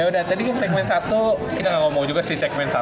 ya udah tadi kan segmen satu kita gak ngomong juga sih segmen satu